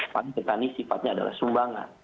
karena petani sifatnya adalah sumbangan